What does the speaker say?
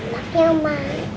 tetap ya oma